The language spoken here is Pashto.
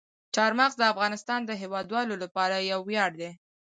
چار مغز د افغانستان د هیوادوالو لپاره یو ویاړ دی.